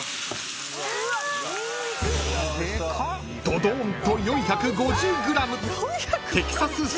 ［どどんと４５０ｇ！］